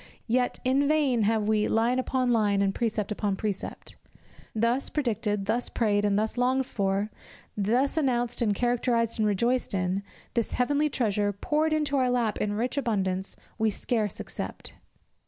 Yet, in vain have we "line upon line and precept upon precept." Thus predicted, thus prayed and longed for, thus announced and characterized and rejoiced in, this heavenly treasure poured into our lap in rich abundance we scarce accept.